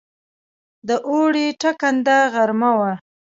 د اوړي ټکنده غرمه وه.